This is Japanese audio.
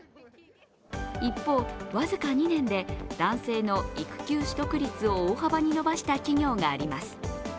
一方、僅か２年で男性の育休取得率を大幅に伸ばした企業があります。